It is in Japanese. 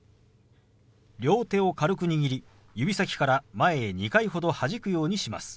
両手を軽く握り指先から前へ２回ほどはじくようにします。